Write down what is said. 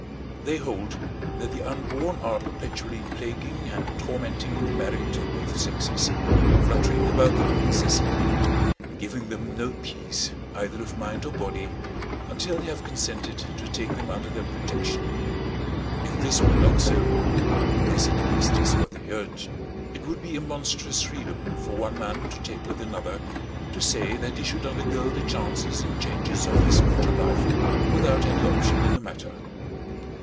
They hold that the unborn are perpetually plaguing and tormenting the married of both sexes, fluttering about them incessantly, and giving them no peace either of mind or body until they have consented to take them under their protection. If this were not so (this at least is what they urge), it would be a monstrous freedom for one man to take with another, to say that he should undergo the chances and changes of this mortal life without any option in the matter.